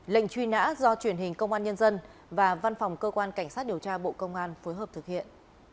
lệnh truy nã do truyền hình công an nhân dân và văn phòng cơ quan cảnh sát điều tra bộ công an phối hợp thực hiện